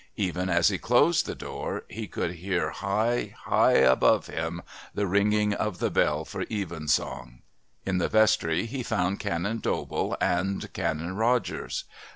Even as he closed the door he could hear high, high up above him the ringing of the bell for Evensong. In the Vestry he found Canon Dobell and Canon Rogers.